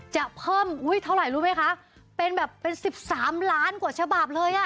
จะเพิ่มอุ้ยเท่าไหร่รู้ไหมคะ